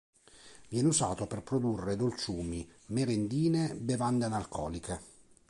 Viene usato per produrre dolciumi, merendine, bevande analcoliche.